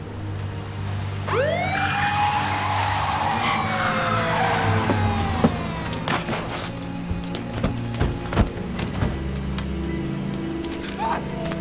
うわあっ！